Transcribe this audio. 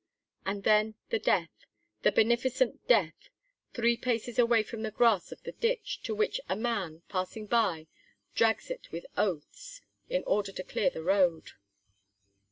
And then the death, the beneficent death, three paces away from the grass of the ditch, to which a man, passing by, drags it with oaths, in order to clear the road.